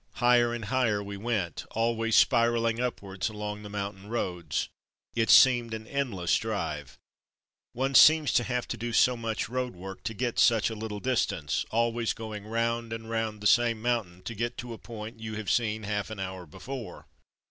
Higher and higher we went; always spiral ling upwards along the mountain roads. It seemed an endless drive. One seems A Precipitous Motor Drive 237 to have to do so much road work to get such a Httle distance, always going round and round the same mountain to get to a point you have seen half an hour before.